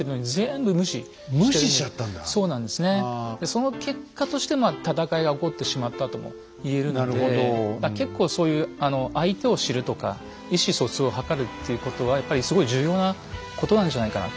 その結果としてまあ戦いが起こってしまったとも言えるので結構そういう相手を知るとか意思疎通を図るっていうことはやっぱりすごい重要なことなんじゃないかな。